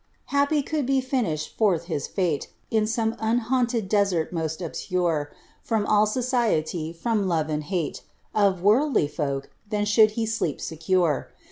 Happy could he finisli forth his fate, In some unhaunted desert most obscure, From all society, from love and hate, Of worldly folk j then should he sleep secure.